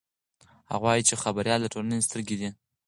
هغه وایي چې خبریال د ټولنې سترګې دي.